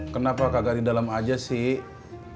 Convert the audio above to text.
kenapa kagak di dalam aja sih